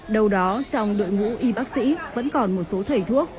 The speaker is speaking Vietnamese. đâu đó trong đội ngũ y bác sĩ vẫn còn một số thầy thuốc